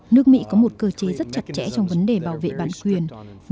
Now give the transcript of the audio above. nước mỹ có một cơ chế rất chặt chẽ trong vấn đề bảo vệ bản quyền